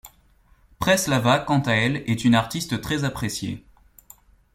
Preslava quant à elle est une artiste très appréciée.